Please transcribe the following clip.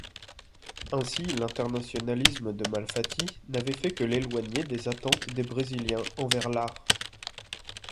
Ainsi, l'internationalisme de Malfatti n'avait fait que l'éloigner des attentes des Brésiliens envers l'art.